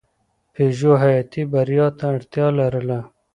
پژو حیاتي بریا ته اړتیا لرله.